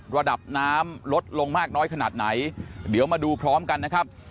ระดับน้ำลดลงมากน้อยขนาดไหนเดี๋ยวมาดูพร้อมกันนะครับ